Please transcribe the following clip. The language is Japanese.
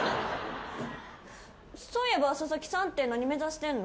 そういえばササキさんって何目指してんの？